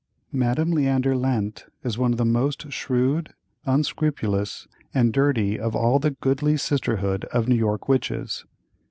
Madame Leander Lent is one of the most shrewd, unscrupulous, and dirty of all the goodly sisterhood of New York witches.